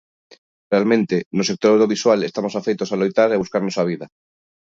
Realmente, no sector audiovisual estamos afeitos a loitar e a buscarnos a vida.